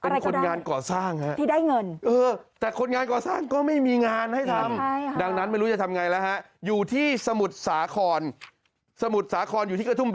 เป็นคนงานก่อสร้างฮะที่ได้เงิน